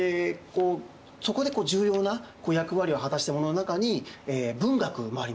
そこで重要な役割を果たしたものの中に文学もあります。